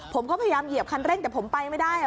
ผมก็พยายามเหยียบคันเร่งแต่ผมไปไม่ได้